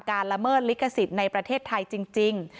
ละเมิดลิขสิทธิ์ในประเทศไทยจริง